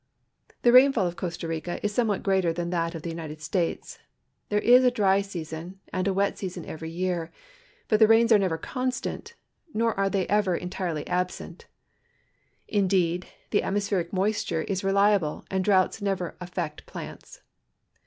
The rainfall of Costa Rica is somewhat greater than that of the United States. There is a dry season and a wet season every year, but the rains are never constant, nor are they ever entirely IN TALAMANCA, COSTA RICA absent ; indeed, the atmospheric moisture is reliable and droughts never affect plants.